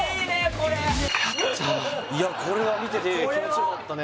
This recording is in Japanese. これこれは見てて気持ちよかったね